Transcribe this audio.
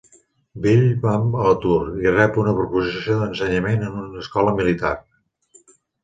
Bill va a l'atur, i rep una proposició d'ensenyament en una escola militar.